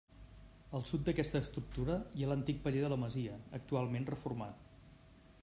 Al sud d'aquesta estructura hi ha l'antic paller de la masia, actualment reformat.